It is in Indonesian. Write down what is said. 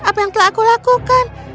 apa yang telah aku lakukan